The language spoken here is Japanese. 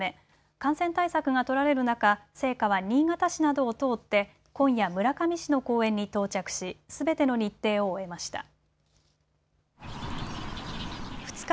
感染対策が取られる中、聖火は新潟市などを通って今夜、村上市の公園に到着しすべての日程を終えました。